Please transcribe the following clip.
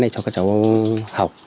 để cho các cháu học